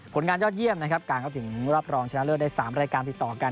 ผลงานยอดเยี่ยมนะครับการเข้าถึงรอบรองชนะเลิศได้๓รายการติดต่อกัน